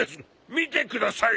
見てください。